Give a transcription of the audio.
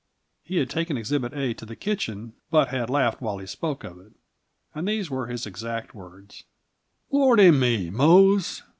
He had taken Exhibit A to the kitchen, but had laughed while he spoke of it. And these were his exact words: "Lordy me, Mose!